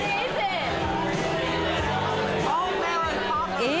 え！